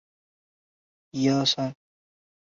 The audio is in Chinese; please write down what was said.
请问一下有不错的 ㄟＰＰ 吗